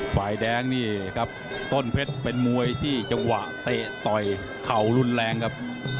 ฝ่ายแดงนี่ครับต้นเพชรเป็นมวยที่จังหวะเตะต่อยเข่ารุนแรงครับ